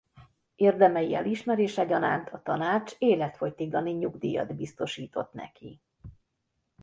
Érdemei elismerése gyanánt a tanács életfogytiglani nyugdíjat biztosított neki.